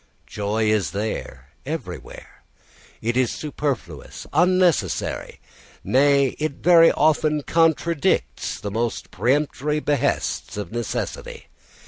Joy is there everywhere; it is superfluous, unnecessary; nay, it very often contradicts the most peremptory behests of necessity.